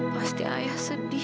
pasti ayah sedih